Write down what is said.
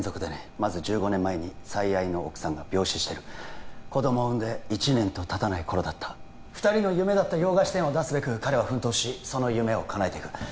まず１５年前に最愛の奥さんが病死してる子どもを産んで１年とたたない頃だった二人の夢だった洋菓子店を出すべく彼は奮闘しその夢をかなえてく